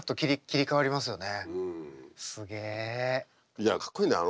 いやかっこいいんだよ